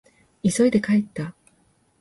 急いで帰った。